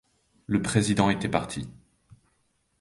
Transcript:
Le président était parti.